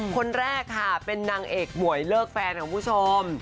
คนแรกค่ะเป็นนางเอกหมวยเลิกแฟนของคุณผู้ชม